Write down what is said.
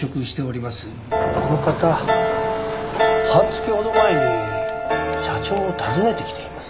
この方半月ほど前に社長を訪ねてきています。